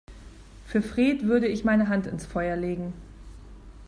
Für Fred würde ich meine Hand ins Feuer legen.